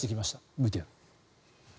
ＶＴＲ。